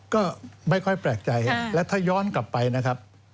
ก็ไม่ค่อยแปลกใจและถ้าย้อนกลับไปนะครับ